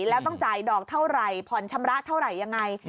แล้วต้องจ่ายดอกเท่าไหร่ผ่อนชำระเท่าไหร่ยังไง